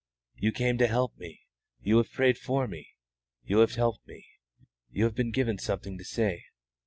"You came to help me; you have prayed for me; you have helped me; you have been given something to say.